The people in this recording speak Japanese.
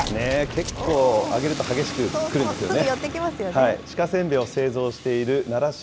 結構、あげると激しく来るんですよね。